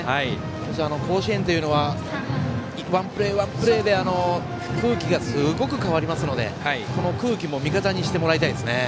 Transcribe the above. そして、甲子園というのはワンプレーワンプレーで空気がすごく変わりますのでこの空気も味方にしてほしいです。